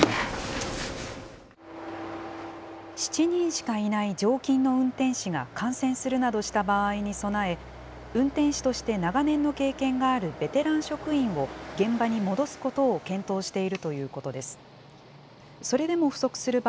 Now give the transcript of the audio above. ７人しかいない常勤の運転士が感染するなどした場合に備え、運転士として長年の経験があるベテラン職員を、現場に戻すことを検討しているということです。